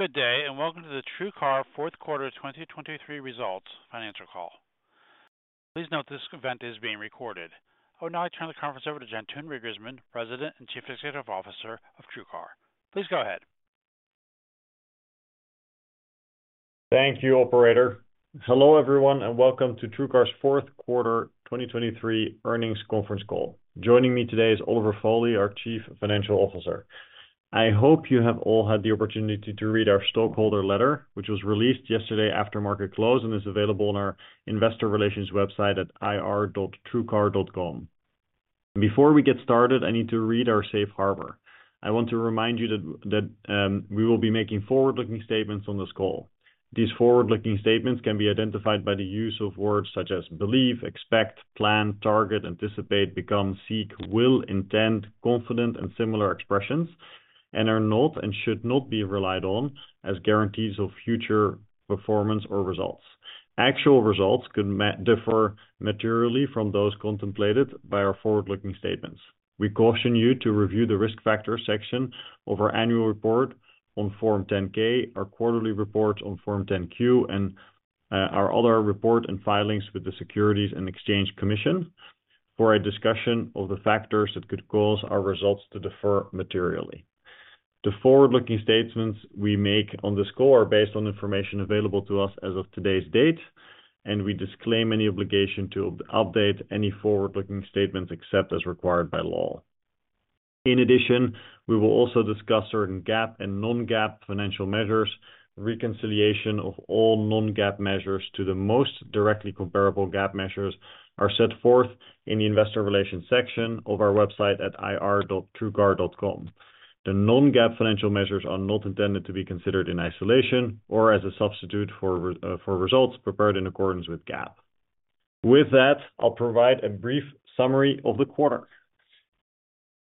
Good day and welcome to the TrueCar Fourth Quarter 2023 Results Financial Call. Please note this event is being recorded. I will now turn the conference over to Jantoon Reigersman, President and Chief Executive Officer of TrueCar. Please go ahead. Thank you, Operator. Hello everyone and welcome to TrueCar's fourth quarter 2023 earnings conference call. Joining me today is Oliver Foley, our Chief Financial Officer. I hope you have all had the opportunity to read our stockholder letter, which was released yesterday after market close and is available on our investor relations website at ir.truecar.com. Before we get started, I need to read our safe harbor. I want to remind you that we will be making forward-looking statements on this call. These forward-looking statements can be identified by the use of words such as believe, expect, plan, target, anticipate, become, seek, will, intend, confident, and similar expressions, and are not and should not be relied on as guarantees of future performance or results. Actual results could differ materially from those contemplated by our forward-looking statements. We caution you to review the risk factors section of our annual report on Form 10-K, our quarterly reports on Form 10-Q, and our other reports and filings with the Securities and Exchange Commission for a discussion of the factors that could cause our results to differ materially. The forward-looking statements we make on this call are based on information available to us as of today's date. We disclaim any obligation to update any forward-looking statements except as required by law. In addition, we will also discuss certain GAAP and non-GAAP financial measures. Reconciliation of all non-GAAP measures to the most directly comparable GAAP measures are set forth in the investor relations section of our website at ir.truecar.com. The non-GAAP financial measures are not intended to be considered in isolation or as a substitute for results prepared in accordance with GAAP. With that, I'll provide a brief summary of the quarter.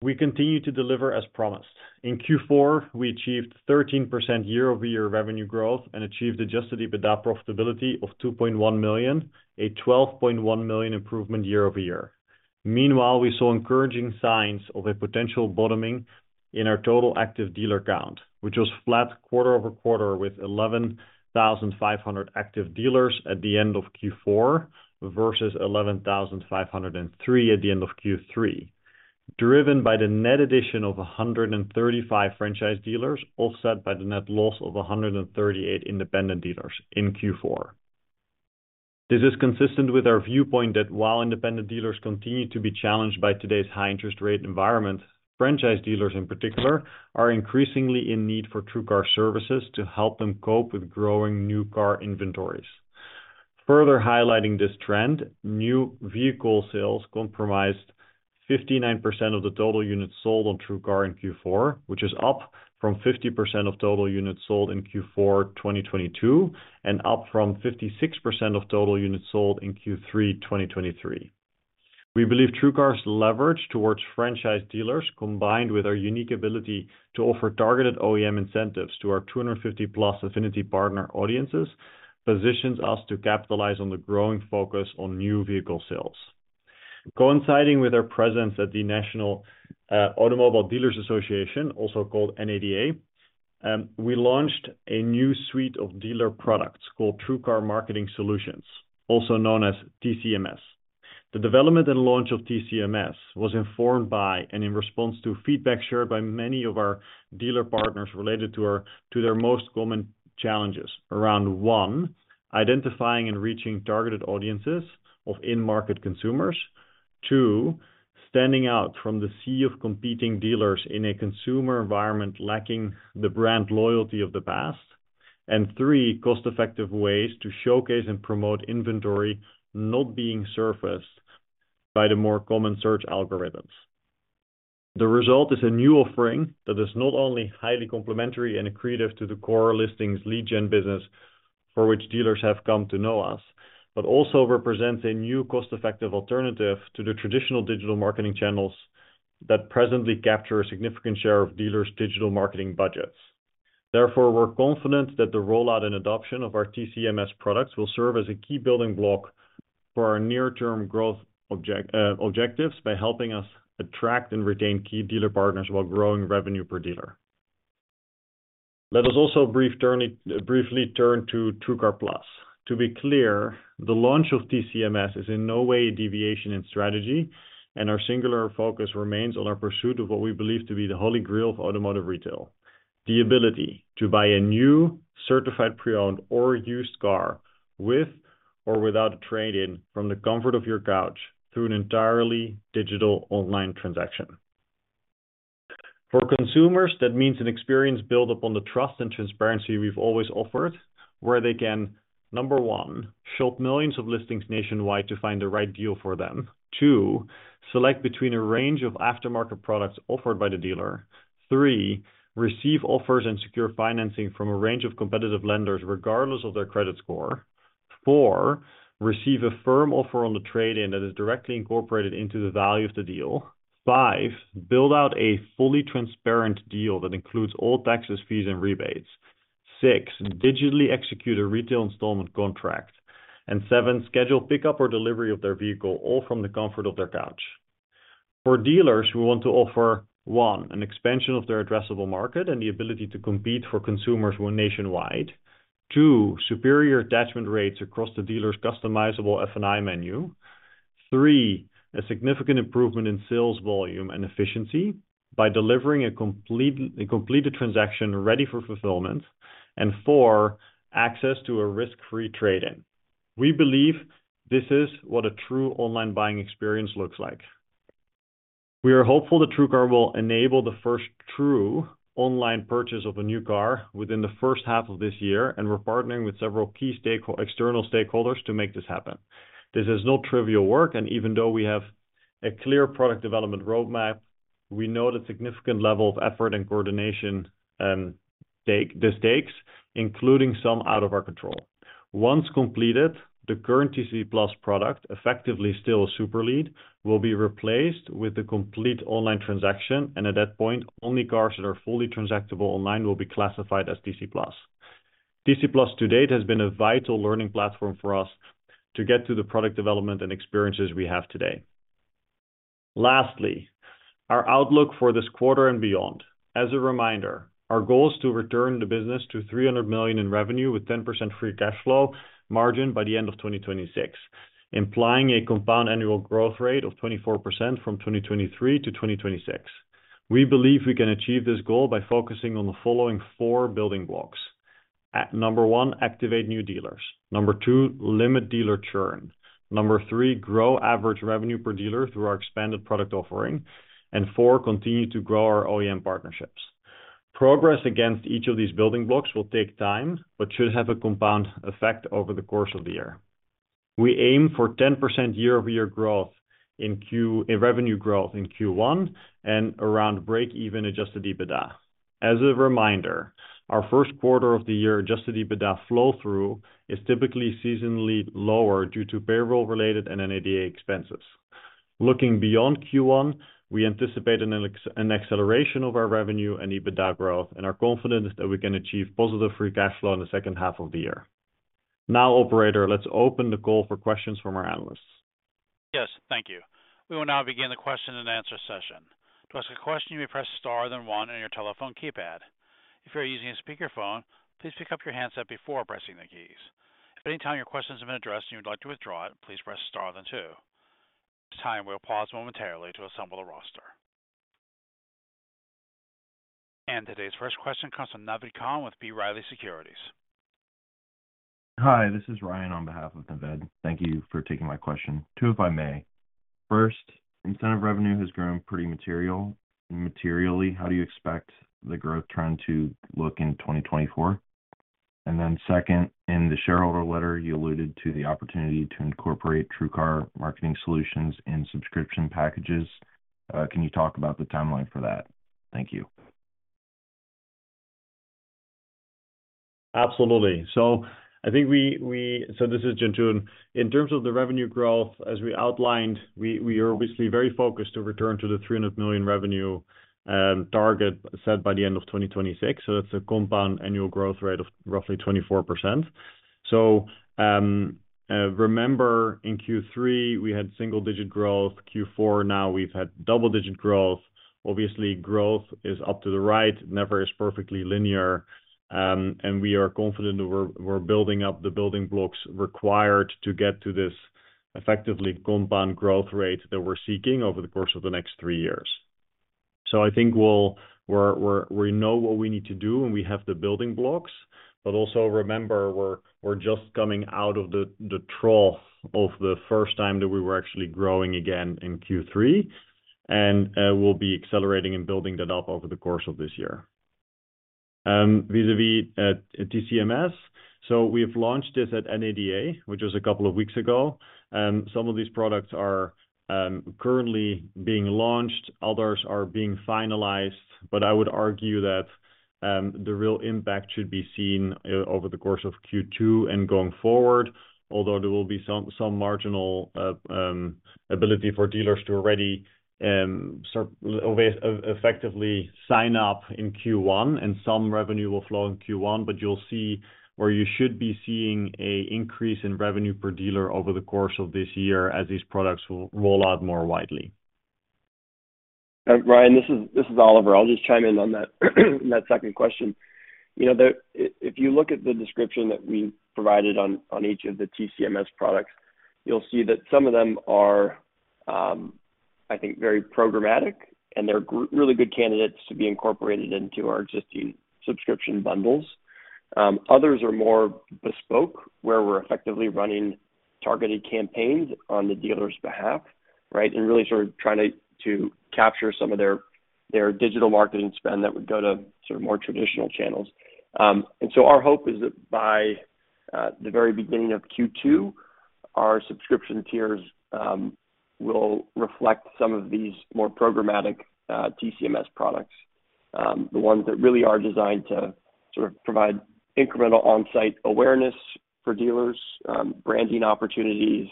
We continue to deliver as promised. In Q4, we achieved 13% year-over-year revenue growth and achieved Adjusted EBITDA profitability of $2.1 million, a $12.1 million improvement year-over-year. Meanwhile, we saw encouraging signs of a potential bottoming in our total active dealer count, which was flat quarter-over-quarter with 11,500 active dealers at the end of Q4 versus 11,503 at the end of Q3, driven by the net addition of 135 franchise dealers offset by the net loss of 138 independent dealers in Q4. This is consistent with our viewpoint that while independent dealers continue to be challenged by today's high interest rate environment, franchise dealers in particular are increasingly in need for TrueCar services to help them cope with growing new car inventories. Further highlighting this trend, new vehicle sales comprised 59% of the total units sold on TrueCar in Q4, which is up from 50% of total units sold in Q4 2022 and up from 56% of total units sold in Q3 2023. We believe TrueCar's leverage towards franchise dealers, combined with our unique ability to offer targeted OEM incentives to our 250+ affinity partner audiences, positions us to capitalize on the growing focus on new vehicle sales. Coinciding with our presence at the National Automobile Dealers Association, also called NADA, we launched a new suite of dealer products called TrueCar Marketing Solutions, also known as TCMS. The development and launch of TCMS was informed by and in response to feedback shared by many of our dealer partners related to their most common challenges around, one, identifying and reaching targeted audiences of in-market consumers. Two, standing out from the sea of competing dealers in a consumer environment lacking the brand loyalty of the past. And three, cost-effective ways to showcase and promote inventory not being surfaced by the more common search algorithms. The result is a new offering that is not only highly complementary and accretive to the core listings lead gen business for which dealers have come to know us, but also represents a new cost-effective alternative to the traditional digital marketing channels that presently capture a significant share of dealers' digital marketing budgets. Therefore, we're confident that the rollout and adoption of our TCMS products will serve as a key building block for our near-term growth objectives by helping us attract and retain key dealer partners while growing revenue per dealer. Let us also briefly turn to TrueCar+. To be clear, the launch of TCMS is in no way a deviation in strategy. Our singular focus remains on our pursuit of what we believe to be the Holy Grail of automotive retail. The ability to buy a new certified pre-owned or used car with or without a trade-in from the comfort of your couch through an entirely digital online transaction. For consumers, that means an experience built upon the trust and transparency we've always offered, where they can, number one, shop millions of listings nationwide to find the right deal for them. Two, select between a range of aftermarket products offered by the dealer. Three, receive offers and secure financing from a range of competitive lenders regardless of their credit score. Four, receive a firm offer on the trade-in that is directly incorporated into the value of the deal. Five, build out a fully transparent deal that includes all taxes, fees, and rebates. Six, digitally execute a retail installment contract. And seven, schedule pickup or delivery of their vehicle all from the comfort of their couch. For dealers, we want to offer, one, an expansion of their addressable market and the ability to compete for consumers nationwide. Two, superior attachment rates across the dealer's customizable F&I menu. Three, a significant improvement in sales volume and efficiency by delivering a completed transaction ready for fulfillment. And four, access to a risk-free trade-in. We believe this is what a true online buying experience looks like. We are hopeful that TrueCar will enable the first true online purchase of a new car within the first half of this year, and we're partnering with several key external stakeholders to make this happen. This is not trivial work, and even though we have a clear product development roadmap, we know the significant level of effort and coordination this takes, including some out of our control. Once completed, the current TC Plus product, effectively still a super lead, will be replaced with the complete online transaction, and at that point, only cars that are fully transactable online will be classified as TC Plus. TC Plus to date has been a vital learning platform for us to get to the product development and experiences we have today. Lastly, our outlook for this quarter and beyond. As a reminder, our goal is to return the business to $300 million in revenue with 10% free cash flow margin by the end of 2026, implying a compound annual growth rate of 24% from 2023 to 2026. We believe we can achieve this goal by focusing on the following four building blocks. Number one, activate new dealers. Number two, limit dealer churn. Number three, grow average revenue per dealer through our expanded product offering. And four, continue to grow our OEM partnerships. Progress against each of these building blocks will take time, but should have a compound effect over the course of the year. We aim for 10% year-over-year growth in revenue growth in Q1 and around break-even Adjusted EBITDA. As a reminder, our first quarter of the year Adjusted EBITDA flow-through is typically seasonally lower due to payroll-related and NADA expenses. Looking beyond Q1, we anticipate an acceleration of our revenue and EBITDA growth, and are confident that we can achieve positive free cash flow in the second half of the year. Now, Operator, let's open the call for questions from our analysts. Yes, thank you. We will now begin the question and answer session. To ask a question, you may press star, then one on your telephone keypad. If you are using a speakerphone, please pick up your handset before pressing the keys. If at any time your question has been addressed and you would like to withdraw it, please press star, then two. Next, we will pause momentarily to assemble the roster. And today's first question comes from Naved Khan with B. Riley Securities. Hi, this is Ryan on behalf of Naved. Thank you for taking my question. Two, if I may. First, incentive revenue has grown pretty material. Materially, how do you expect the growth trend to look in 2024? And then second, in the shareholder letter, you alluded to the opportunity to incorporate TrueCar Marketing Solutions in subscription packages. Can you talk about the timeline for that? Thank you. Absolutely. So I think this is Jantoon. In terms of the revenue growth, as we outlined, we are obviously very focused to return to the $300 million revenue target set by the end of 2026. So that's a compound annual growth rate of roughly 24%. So remember in Q3, we had single-digit growth. Q4, now we've had double-digit growth. Obviously, growth is up to the right. Never is perfectly linear. And we are confident that we're building up the building blocks required to get to this effectively compound growth rate that we're seeking over the course of the next three years. So I think we'll know what we need to do and we have the building blocks. But also remember, we're just coming out of the trough of the first time that we were actually growing again in Q3. We'll be accelerating and building that up over the course of this year. Vis-à-vis TCMS. So we have launched this at NADA, which was a couple of weeks ago. Some of these products are currently being launched. Others are being finalized. But I would argue that the real impact should be seen over the course of Q2 and going forward, although there will be some marginal ability for dealers to already effectively sign up in Q1 and some revenue will flow in Q1, but you'll see where you should be seeing an increase in revenue per dealer over the course of this year as these products will roll out more widely. Ryan, this is Oliver. I'll just chime in on that second question. You know, if you look at the description that we provided on each of the TCMS products, you'll see that some of them are, I think, very programmatic and they're really good candidates to be incorporated into our existing subscription bundles. Others are more bespoke where we're effectively running targeted campaigns on the dealer's behalf, right? And really sort of trying to capture some of their digital marketing spend that would go to sort of more traditional channels. And so our hope is that by the very beginning of Q2, our subscription tiers will reflect some of these more programmatic TCMS products. The ones that really are designed to sort of provide incremental on-site awareness for dealers, branding opportunities,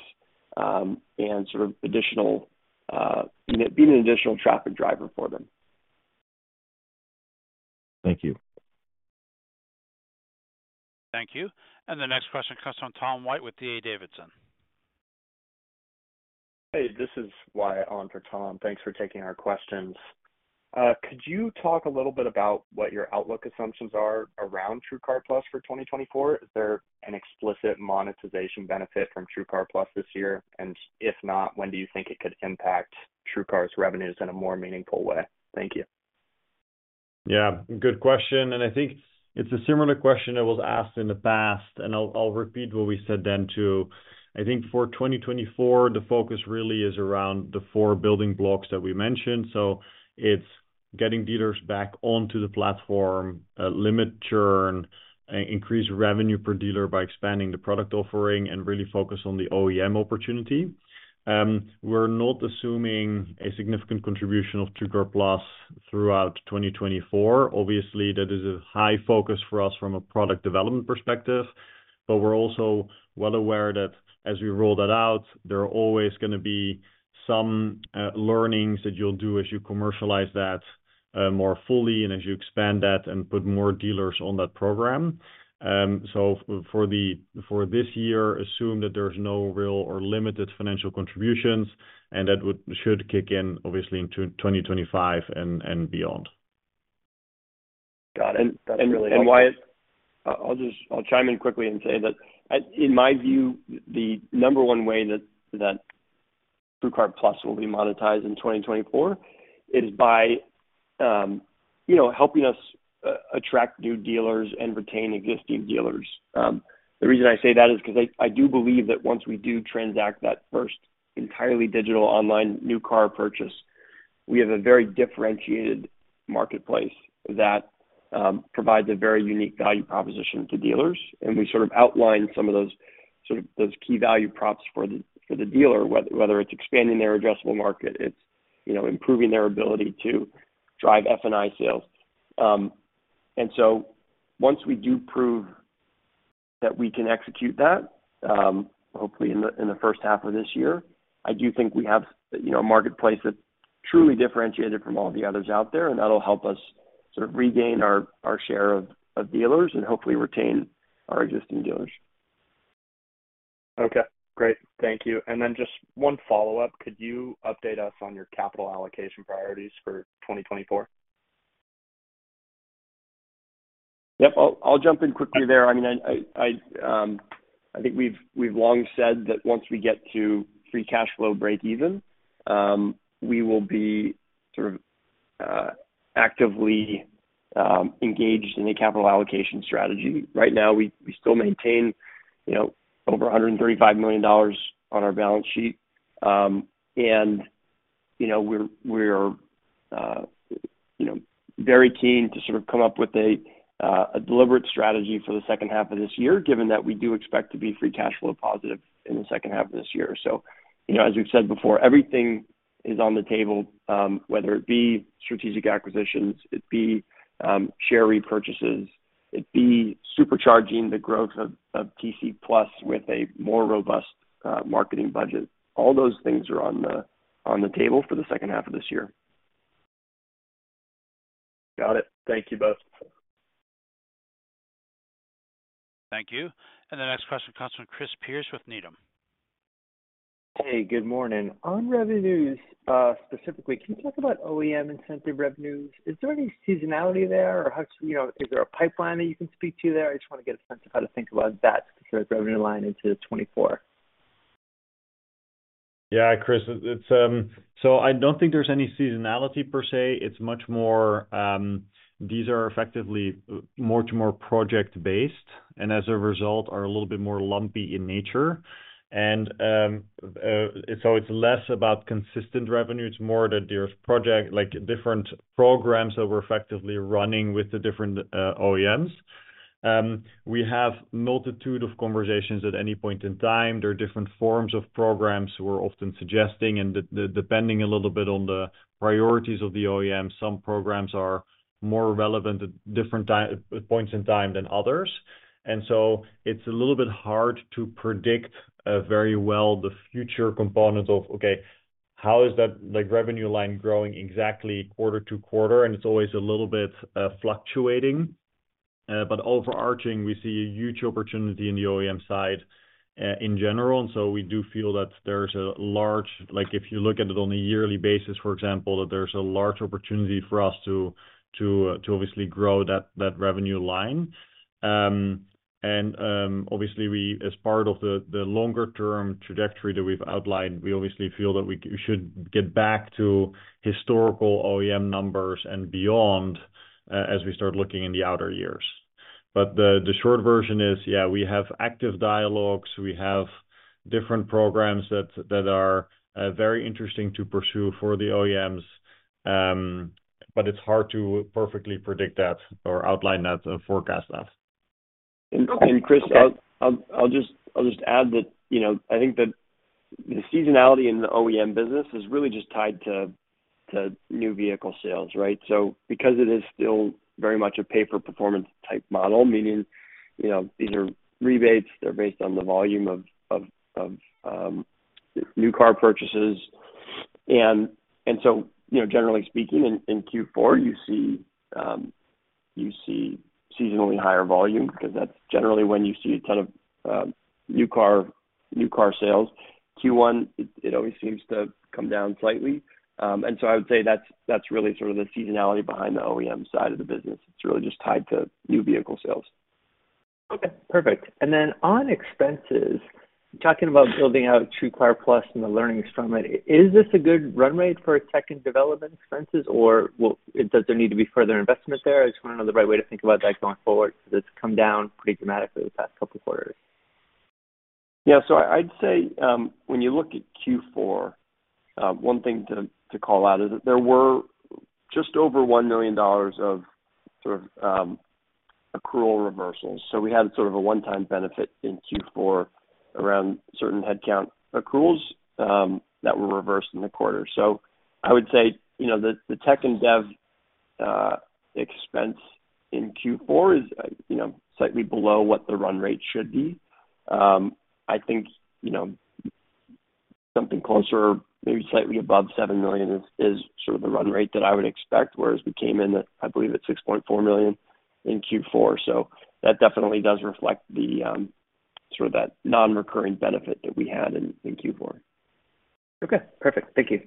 and sort of being an additional traffic driver for them. Thank you. Thank you. The next question comes from Tom White with D.A. Davidson. Hey, this is Wyatt on for Tom. Thanks for taking our questions. Could you talk a little bit about what your outlook assumptions are around TrueCar Plus for 2024? Is there an explicit monetization benefit from TrueCar Plus this year? And if not, when do you think it could impact TrueCar's revenues in a more meaningful way? Thank you. Yeah, good question. I think it's a similar question that was asked in the past. I'll repeat what we said then too. I think for 2024, the focus really is around the four building blocks that we mentioned. It's getting dealers back onto the platform, limit churn, increase revenue per dealer by expanding the product offering, and really focus on the OEM opportunity. We're not assuming a significant contribution of TrueCar Plus throughout 2024. Obviously, that is a high focus for us from a product development perspective. But we're also well aware that as we roll that out, there are always going to be some learnings that you'll do as you commercialize that more fully and as you expand that and put more dealers on that program. For this year, assume that there's no real or limited financial contributions. That should kick in, obviously, in 2025 and beyond. Got it. And Wyatt, I'll chime in quickly and say that in my view, the number one way that TrueCar Plus will be monetized in 2024 is by helping us attract new dealers and retain existing dealers. The reason I say that is because I do believe that once we do transact that first entirely digital online new car purchase, we have a very differentiated marketplace that provides a very unique value proposition to dealers. And we sort of outline some of those key value props for the dealer, whether it's expanding their addressable market, it's improving their ability to drive F&I sales. And so once we do prove that we can execute that, hopefully in the first half of this year, I do think we have a marketplace that's truly differentiated from all the others out there. That'll help us sort of regain our share of dealers and hopefully retain our existing dealers. Okay. Great. Thank you. And then just one follow-up. Could you update us on your capital allocation priorities for 2024? Yep. I'll jump in quickly there. I mean, I think we've long said that once we get to free cash flow break-even, we will be sort of actively engaged in a capital allocation strategy. Right now, we still maintain over $135 million on our balance sheet. We are very keen to sort of come up with a deliberate strategy for the second half of this year, given that we do expect to be free cash flow positive in the second half of this year. As we've said before, everything is on the table, whether it be strategic acquisitions, it be share repurchases, it be supercharging the growth of TC Plus with a more robust marketing budget. All those things are on the table for the second half of this year. Got it. Thank you both. Thank you. The next question comes from Chris Pierce with Needham. Hey, good morning. On revenues specifically, can you talk about OEM incentive revenues? Is there any seasonality there or is there a pipeline that you can speak to there? I just want to get a sense of how to think about that specific revenue line into 2024. Yeah, Chris. So I don't think there's any seasonality per se. It's much more these are effectively more to more project-based. And as a result, are a little bit more lumpy in nature. And so it's less about consistent revenue. It's more that there's different programs that we're effectively running with the different OEMs. We have a multitude of conversations at any point in time. There are different forms of programs we're often suggesting. And depending a little bit on the priorities of the OEMs, some programs are more relevant at different points in time than others. And so it's a little bit hard to predict very well the future component of, okay, how is that revenue line growing exactly quarter to quarter? And it's always a little bit fluctuating. But overarching, we see a huge opportunity in the OEM side in general. So we do feel that there's a large, if you look at it on a yearly basis, for example, opportunity for us to obviously grow that revenue line. And obviously, as part of the longer-term trajectory that we've outlined, we obviously feel that we should get back to historical OEM numbers and beyond as we start looking in the outer years. But the short version is, yeah, we have active dialogues. We have different programs that are very interesting to pursue for the OEMs. But it's hard to perfectly predict that or outline that and forecast that. Chris, I'll just add that I think that the seasonality in the OEM business is really just tied to new vehicle sales, right? So because it is still very much a pay-for-performance type model, meaning these are rebates. They're based on the volume of new car purchases. And so generally speaking, in Q4, you see seasonally higher volume because that's generally when you see a ton of new car sales. Q1, it always seems to come down slightly. And so I would say that's really sort of the seasonality behind the OEM side of the business. It's really just tied to new vehicle sales. Okay. Perfect. And then on expenses, talking about building out TrueCar Plus and the learnings from it, is this a good run rate for Tech and Development expenses, or does there need to be further investment there? I just want to know the right way to think about that going forward because it's come down pretty dramatically the past couple of quarters. Yeah. So I'd say when you look at Q4, one thing to call out is that there were just over $1 million of sort of accrual reversals. So we had sort of a one-time benefit in Q4 around certain headcount accruals that were reversed in the quarter. So I would say the Tech and Dev expense in Q4 is slightly below what the run rate should be. I think something closer, maybe slightly above $7 million is sort of the run rate that I would expect, whereas we came in, I believe, at $6.4 million in Q4. So that definitely does reflect sort of that non-recurring benefit that we had in Q4. Okay. Perfect. Thank you.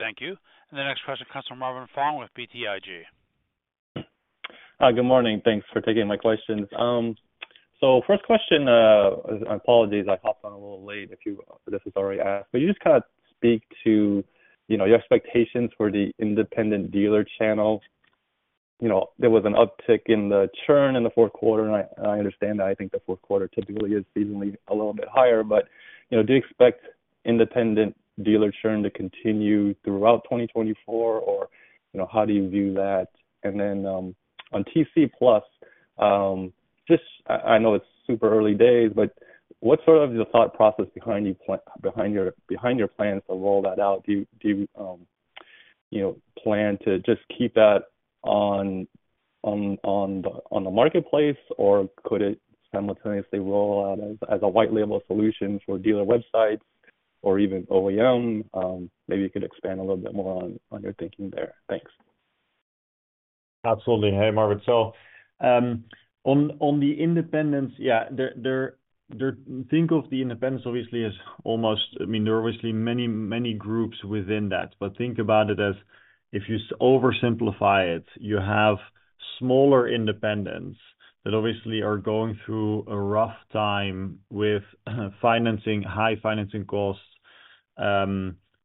Thank you. The next question comes from Marvin Fong with BTIG. Good morning. Thanks for taking my questions. So first question, apologies, I hopped on a little late if this was already asked, but you just kind of speak to your expectations for the independent dealer channel. There was an uptick in the churn in the fourth quarter, and I understand that. I think the fourth quarter typically is seasonally a little bit higher. But do you expect independent dealer churn to continue throughout 2024, or how do you view that? And then on TC Plus, I know it's super early days, but what sort of the thought process behind your plans to roll that out? Do you plan to just keep that on the marketplace, or could it simultaneously roll out as a white-label solution for dealer websites or even OEM? Maybe you could expand a little bit more on your thinking there. Thanks. Absolutely. Hey, Marvin. So on the independents, yeah, think of the independents, obviously, as almost, I mean, there are obviously many, many groups within that. But think about it as if you oversimplify it, you have smaller independents that obviously are going through a rough time with high financing costs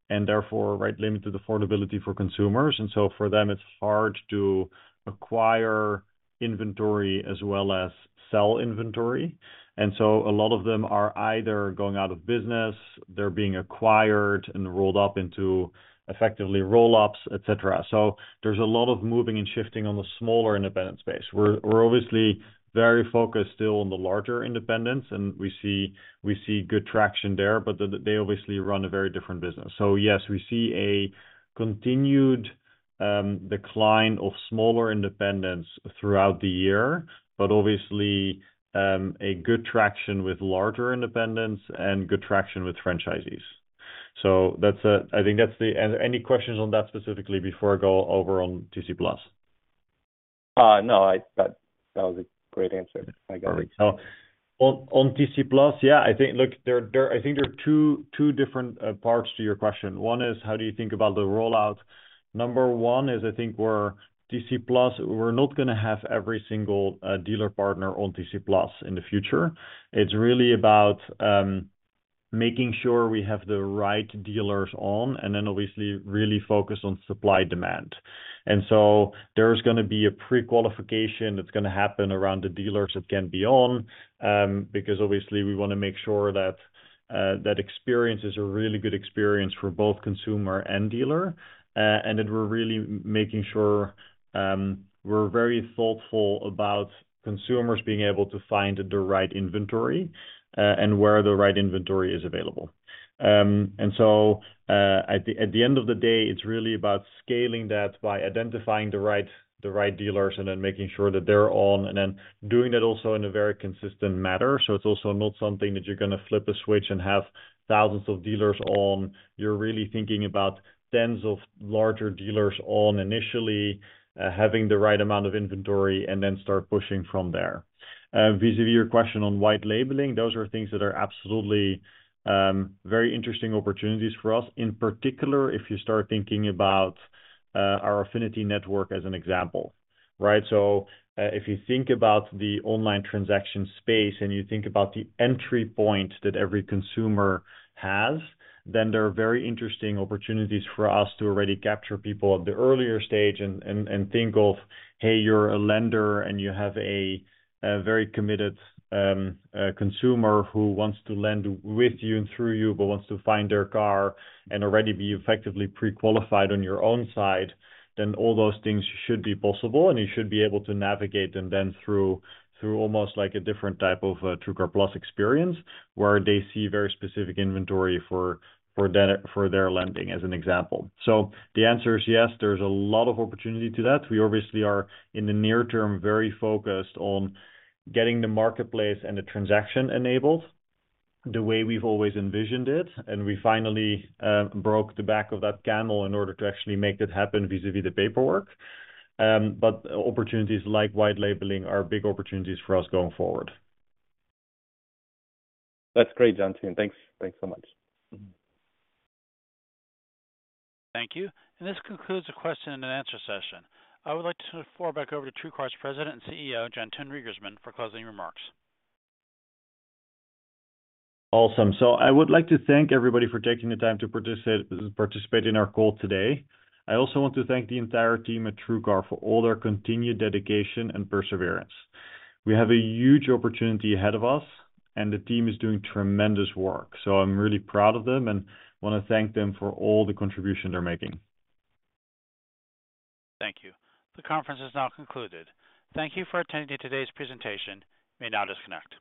and therefore, right, limited affordability for consumers. And so for them, it's hard to acquire inventory as well as sell inventory. And so a lot of them are either going out of business, they're being acquired, and rolled up into effectively roll-ups, etc. So there's a lot of moving and shifting on the smaller independent space. We're obviously very focused still on the larger independents, and we see good traction there, but they obviously run a very different business. So yes, we see a continued decline of smaller independents throughout the year, but obviously, good traction with larger independents and good traction with franchisees. So I think that's it. Any questions on that specifically before I go over on TC Plus? No, that was a great answer. I got it. Perfect. So on TC Plus, yeah, I think, look, I think there are two different parts to your question. One is how do you think about the rollout? Number one is I think where TC Plus, we're not going to have every single dealer partner on TC Plus in the future. It's really about making sure we have the right dealers on and then obviously really focus on supply demand. And so there's going to be a pre-qualification that's going to happen around the dealers that can be on because obviously, we want to make sure that that experience is a really good experience for both consumer and dealer. And that we're really making sure we're very thoughtful about consumers being able to find the right inventory and where the right inventory is available. So at the end of the day, it's really about scaling that by identifying the right dealers and then making sure that they're on and then doing that also in a very consistent manner. It's also not something that you're going to flip a switch and have thousands of dealers on. You're really thinking about tens of larger dealers on initially, having the right amount of inventory, and then start pushing from there. Vis-à-vis your question on white labeling, those are things that are absolutely very interesting opportunities for us, in particular, if you start thinking about our affinity network as an example, right? So if you think about the online transaction space and you think about the entry point that every consumer has, then there are very interesting opportunities for us to already capture people at the earlier stage and think of, "Hey, you're a lender and you have a very committed consumer who wants to lend with you and through you, but wants to find their car and already be effectively pre-qualified on your own side," then all those things should be possible and you should be able to navigate them then through almost like a different type of TrueCar Plus experience where they see very specific inventory for their lending as an example. So the answer is yes, there's a lot of opportunity to that. We obviously are in the near term very focused on getting the marketplace and the transaction enabled the way we've always envisioned it. We finally broke the back of that camel in order to actually make that happen vis-à-vis the paperwork. Opportunities like white labeling are big opportunities for us going forward. That's great, Jantoon. Thanks so much. Thank you. This concludes the question and answer session. I would like to forward back over to TrueCar's President and CEO, Jantoon Reigersman, for closing remarks. Awesome. So I would like to thank everybody for taking the time to participate in our call today. I also want to thank the entire team at TrueCar for all their continued dedication and perseverance. We have a huge opportunity ahead of us, and the team is doing tremendous work. So I'm really proud of them and want to thank them for all the contribution they're making. Thank you. The conference is now concluded. Thank you for attending today's presentation. You may now disconnect.